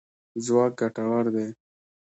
ځواک ګټور دی.